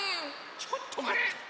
ちょっとまって！